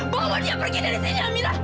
bawa dia pergi dari sini amira